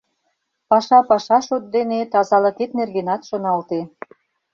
— Паша паша шот дене, тазалыкет нергенат шоналте.